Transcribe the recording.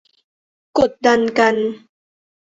กดดันกัน